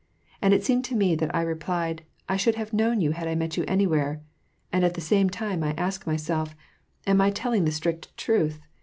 And it seemed to me that I replied, ''I should have known you had I met you anvwhere," and at the same time, I ask nivself , "Am I telling the strict truth